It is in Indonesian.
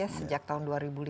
sejak tahun dua ribu lima belas